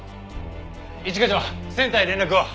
一課長センターに連絡を。